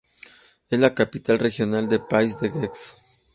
Es la capital regional del Pays de Gex.